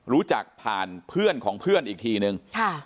รู้จักผ่านเพื่อนของเพื่อนอีกทีนึง